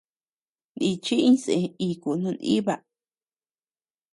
Nichi iñsé iku no nʼiba.